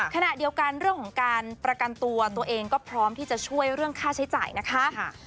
ขณะเดียวกันเรื่องของการประกันตัวตัวเองก็พร้อมที่จะช่วยเรื่องค่าใช้จ่ายนะคะ